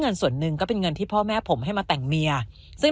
เงินส่วนหนึ่งก็เป็นเงินที่พ่อแม่ผมให้มาแต่งเมียซึ่ง